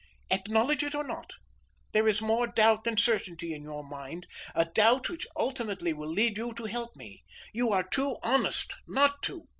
Acknowledge it or not, there is more doubt than certainty in your mind; a doubt which ultimately will lead you to help me. You are too honest not to.